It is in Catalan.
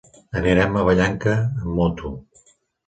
Anirem a Vallanca amb moto.